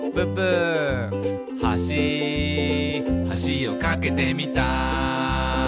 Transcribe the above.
「はしはしを架けてみた」